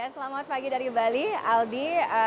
selamat pagi dari bali aldi